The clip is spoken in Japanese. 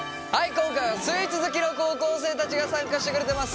今回はスイーツ好きの高校生たちが参加してくれてます。